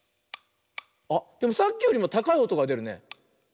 あっでもさっきよりもたかいおとがでるね。